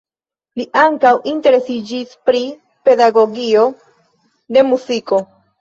Li ankaŭ interesiĝis pri pedagogio de muziko.